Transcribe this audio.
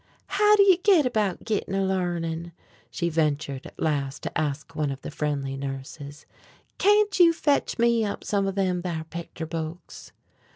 "How do you go about gittin' a larnin'?" she ventured at last to ask one of the friendly nurses. "Can't you fetch me up some of them thar picter books?"